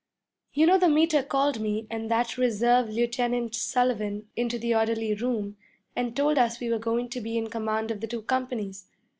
'You know the Meter called me and that Reserve Lieutenant Sullivan into the orderly room and told us we were goin' to be in command of the two companies.